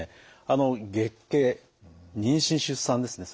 あの月経妊娠出産ですね